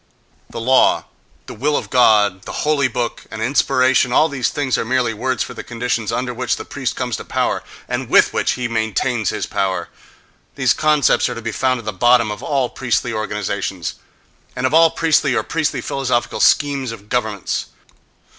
—The "law," the "will of God," the "holy book," and "inspiration"—all these things are merely words for the conditions under which the priest comes to power and with which he maintains his power,—these concepts are to be found at the bottom of all priestly organizations, and of all priestly or priestly philosophical schemes of governments.